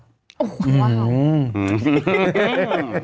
อื้อว